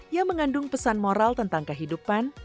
yang mengandung pesan moral tentang kehidupan